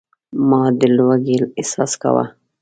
ما د لوږې احساس کاوه.